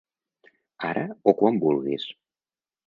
Ara o quan vulguis.